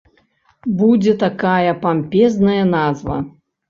Будзе такая пампезная назва.